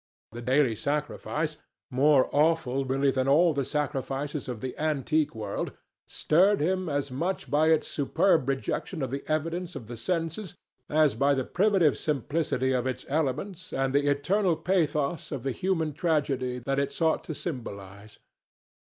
The daily sacrifice, more awful really than all the sacrifices of the antique world, stirred him as much by its superb rejection of the evidence of the senses as by the primitive simplicity of its elements and the eternal pathos of the human tragedy that it sought to symbolize.